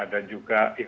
dan juga efektif